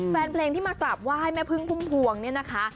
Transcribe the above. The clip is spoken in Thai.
แฟนเพลงที่มากราบไหว้แม่พึ่งพุ่มพวงเนี่ยนะคะ